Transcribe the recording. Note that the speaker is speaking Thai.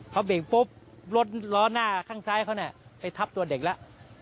เขาเบรกปุ๊บรถล้อหน้าข้างซ้ายเขาเนี่ยไปทับตัวเด็กแล้ว